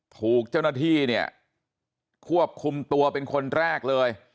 ถูกเจ้าหน้าที่เนี่ยควบคุมตัวเป็นคนแรกเลย